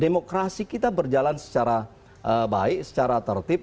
demokrasi kita berjalan secara baik secara tertib